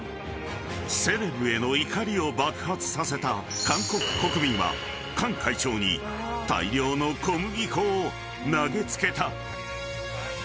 ［セレブへの怒りを爆発させた韓国国民はカン会長に大量の小麦粉を投げ付けた］